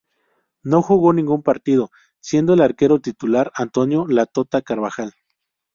No jugó ningún partido, siendo el arquero titular Antonio "La Tota" Carbajal.